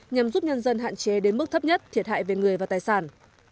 nhằm giúp nhân dân hạn chế đến mức thấp nhất thiệt hại về người và tài sản